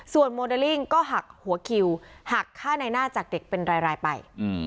โมเดลลิ่งก็หักหัวคิวหักค่าในหน้าจากเด็กเป็นรายไป